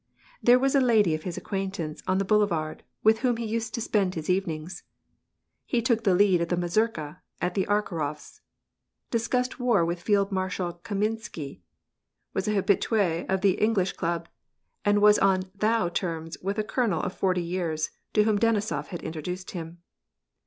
There was a lady of his acquaint ance on the boulevard, with whom he used to spend his evenings. He took the lead of the mazurka at the Arkharofs', discussed war with Field Marshal Kamiensky, was an habitu6 of the English club, and was on "thou" terms with a colonel of forty years, to whom Denisof had introduced him.